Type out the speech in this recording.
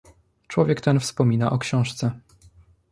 "Człowiek ten wspomina o książce."